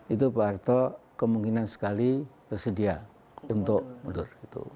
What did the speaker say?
itu pak harto kemungkinan sekali bersedia untuk mundur